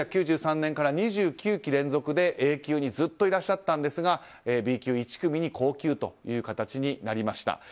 １９９３年から２９期連続でＡ級にずっといらっしゃったんですがＢ級１組に降級という形になりました。